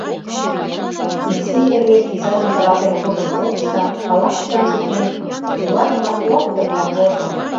Изи эрге кизажым шаралтен куржын колтыш да, ала-кушан шӱртнен, кӱвар ӱмбак лоптык камвозо.